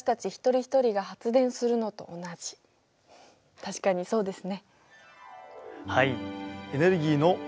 確かにそうですね。